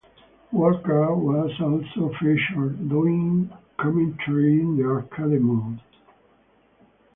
Walker was also featured, doing commentary in the arcade mode.